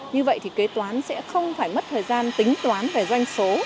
như vậy thì kế toán sẽ không phải mất thời gian tính toán về doanh số